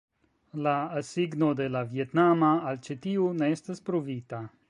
La asigno de la vjetnama al ĉi tiu ne estas pruvita.